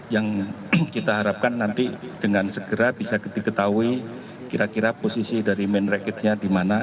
yang kita harapkan nanti dengan segera bisa diketahui kira kira posisi dari main racketnya di mana